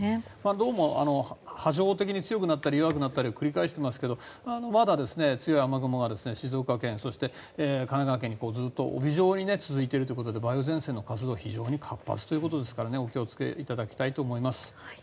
どうも波状的に強くなったり弱くなったりを繰り返していますがまだ強い雨雲は、静岡県そして神奈川県に、ずっと帯状に続いているということで梅雨前線の活動が非常に活発ということですからお気を付けいただきたいと思います。